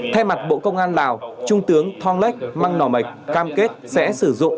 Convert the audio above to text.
theo mặt bộ công an lào trung tướng thong lech mang nòi mạch cam kết sẽ sử dụng